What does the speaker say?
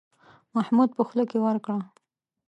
محمود په خوله کې ورکړه.